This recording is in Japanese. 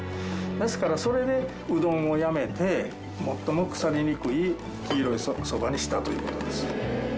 ですからそれでうどんをやめて最も腐りにくい黄色いそばにしたという事です。